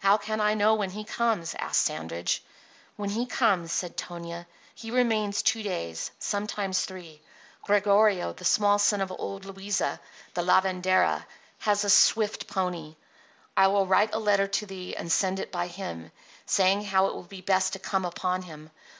"How can I know when he comes?" asked Sandridge. "When he comes," said Tonia, "he remains two days, sometimes three. Gregorio, the small son of old Luisa, the lavendera, has a swift pony. I will write a letter to thee and send it by him, saying how it will be best to come upon him.